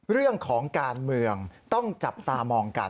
เรื่องของการเมืองต้องจับตามองกัน